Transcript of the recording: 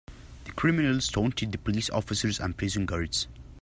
The criminals taunted the police officers and prison guards.